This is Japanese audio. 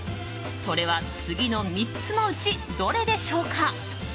それは次の３つのうちどれでしょうか？